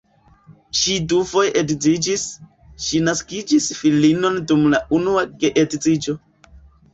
Ŝi dufoje edziniĝis, ŝi naskis filinon dum la unua geedziĝo.